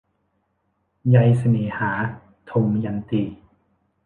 ใยเสน่หา - ทมยันตี